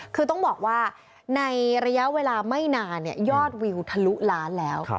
คือต้องบอกว่าในระยะเวลาไม่นานยอดวิวทะลุล้านแล้ว